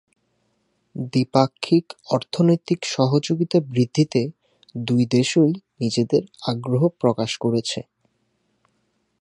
দ্বিপাক্ষিক অর্থনৈতিক সহযোগিতা বৃদ্ধিতে দুই দেশই নিজেদের আগ্রহ প্রকাশ করেছে।